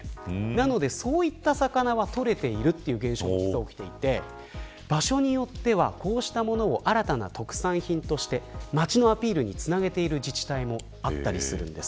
なので、そういった魚は取れているという現象が起きているので場所によってはこうしたものを新たな特産品として町のアピールにつなげている自治体もあったりするんです。